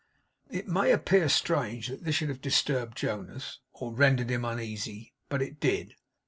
It may appear strange that this should have disturbed Jonas, or rendered him uneasy; but it did.